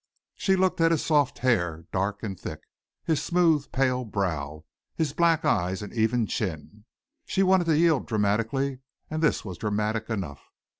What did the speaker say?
She looked at his soft hair, dark and thick, his smooth pale brow, his black eyes and even chin. She wanted to yield dramatically and this was dramatic enough.